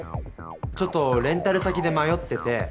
ちょっとレンタル先で迷ってて。